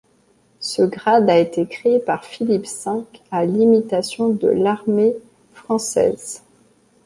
Ce grade a été créé par Philippe V, à l'imitation de l'armée française.